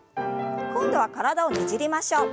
今度は体をねじりましょう。